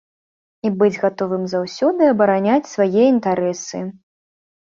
І быць гатовым заўсёды абараняць свае інтарэсы.